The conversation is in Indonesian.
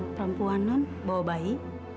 perempuan non bawa bayi